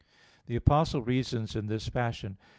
The Apostle reasons in this fashion (1 Cor.